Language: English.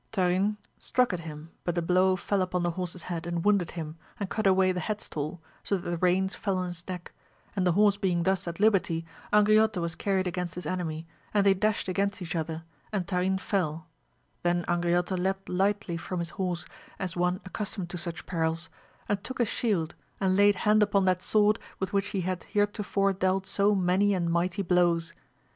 Tarin struck at him but the blow fell upon the horses' head and wounded him, and cut away the headstall, so that AMADIS OF GAUL, 143 the reins fell on his neck, and the horse being thus at Hberty, Angriote was carried against his enemy, and they dashed againSt each other and Tarin fell ; then Angriote leaped lightly from his horse as one accus tomed to such perils, and took his shield, and laid hand upon that sword with which he had heretofore dealt so many and mighty blows.